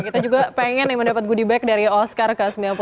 kita juga pengen mendapat goodie bag dari oscar ke sembilan puluh delapan